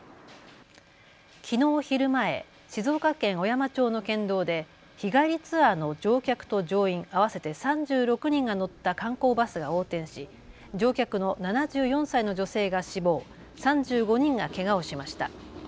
きのう昼前、静岡県小山町の県道で日帰りツアーの乗客と乗員合わせて３６人が乗った観光バスが横転し乗客の７４歳の女性が死亡、３５人がけがをしました。